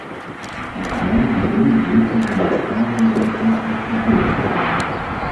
Er is duidelijk een dringende behoefte aan deze kaderovereenkomst over gegevensbescherming.